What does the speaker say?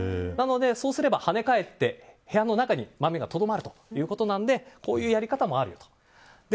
そうすれば跳ね返って部屋の中に豆がとどまるということでこういうやり方もあると。